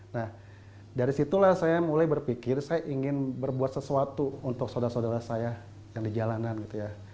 nah dari situlah saya mulai berpikir saya ingin berbuat sesuatu untuk saudara saudara saya yang di jalanan gitu ya